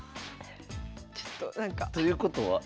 ちょっとなんか。ということはえ？